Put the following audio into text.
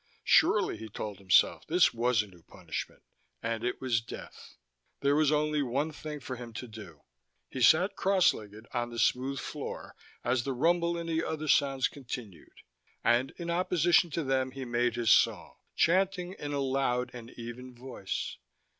Surely, he told himself, this was a new punishment, and it was death. There was only one thing for him to do. He sat crosslegged on the smooth floor as the rumble and the other sounds continued, and in opposition to them he made his song, chanting in a loud and even voice.